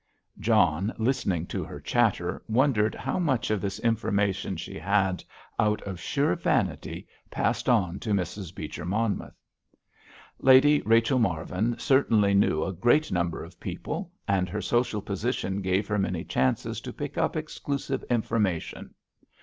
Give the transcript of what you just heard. John, listening to her chatter, wondered how much of this information she had, out of sheer vanity, passed on to Mrs. Beecher Monmouth. Lady Rachel Marvin certainly knew a great number of people, and her social position gave her many chances to pick up exclusive information.